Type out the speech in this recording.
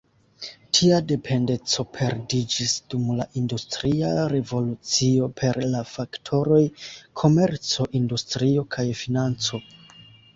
Tia dependeco perdiĝis dum la industria revolucio per la faktoroj komerco, industrio kaj financo.